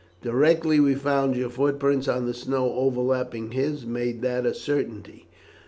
Directly we found your footprints on the snow overlapping his it made that a certainty.